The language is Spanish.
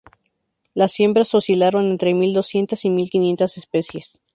Las siembras oscilaron entre mil doscientas y mil quinientas especies.